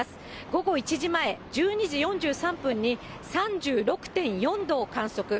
午後１時前、１２時４３分に、３６．４度を観測。